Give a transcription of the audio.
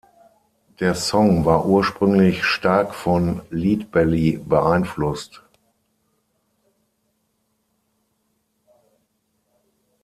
Der Song war ursprünglich stark von Leadbelly beeinflusst.